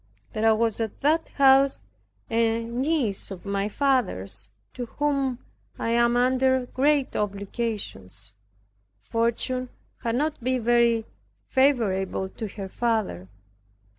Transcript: There was at that house a niece of my father's, to whom I am under great obligations. Fortune had not been very favorable to her father.